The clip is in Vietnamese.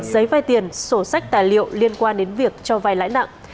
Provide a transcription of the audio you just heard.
giấy vay tiền sổ sách tài liệu liên quan đến việc cho vai lãi nặng